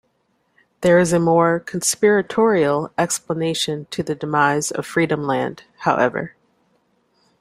There is a more conspiratorial explanation to the demise of Freedomland, however.